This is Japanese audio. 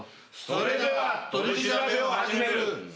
それでは取り調べを始める。